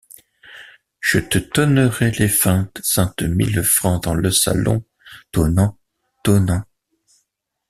Che te tonnerai les fint-sainte mile vrancs tans le salon. .. tonnant, tonnant.